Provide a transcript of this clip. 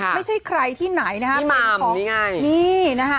ไม่ใช่ใครที่ไหนนะฮะเป็นของนี่นะคะ